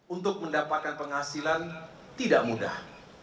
untuk mendapatkan penghasilan tidak mudah